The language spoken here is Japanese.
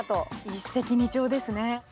一石二鳥ですね。